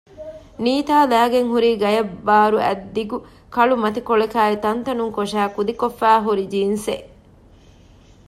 ނީތާ ލައިގެން ހުރީ ގަޔަށްބާރު އަތްދިގު ކަޅު މަތިކޮޅަކާއި ތަންތަނުން ކޮށައި ކުދިކޮށްފައި ހުރި ޖިންސެއް